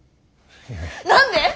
何で？